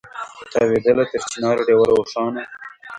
تاوېدله تر چنار ډېوه روښانه